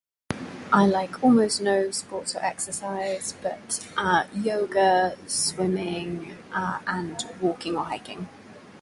I like almost no sports or exercise but uh yoga, swimming, ah, and walking or hiking